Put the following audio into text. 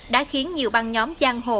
đã khiến nhiều băng nhóm giang hồ